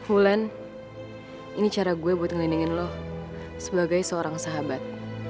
ulan ini cara gue buat ngelindungi lo sebagai seorang sahabat